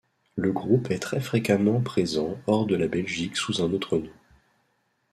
Le groupe est très fréquemment présent hors de la Belgique sous un autre nom.